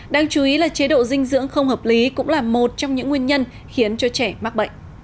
đáng chú ý là chế độ dinh dưỡng không hợp lý cũng là một trong những nguyên nhân khiến cho trẻ mắc bệnh